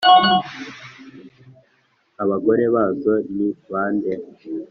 abagore bazo ni ba nde?